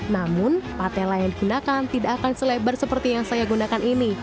namun patela yang digunakan tidak akan selebar seperti yang saya gunakan ini